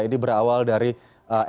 ini berawal dari endorsean